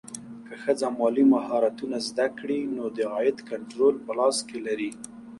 که ښځه مالي مهارتونه زده کړي، نو د عاید کنټرول په لاس کې لري.